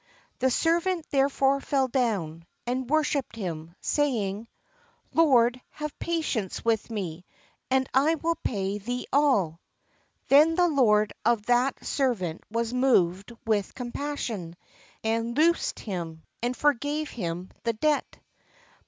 The servant therefore fell down, 18 . THE LORD AND THE SERVANTS and worshipped him, say ing: Lord, have patience with me, and I will pay thee all." Then the lord of that servant was moved with compassion, and loosed him, and forgave him the debt.